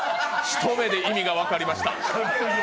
一目で意味が分かりました。